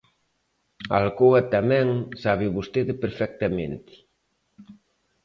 A Alcoa tamén, sábeo vostede perfectamente.